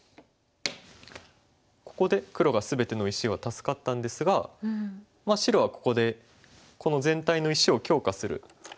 ここで黒が全ての石は助かったんですが白はここでこの全体の石を強化する。